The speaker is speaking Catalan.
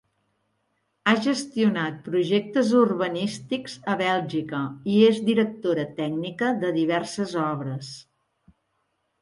Ha gestionat projectes urbanístics a Bèlgica i és directora tècnica de diverses obres.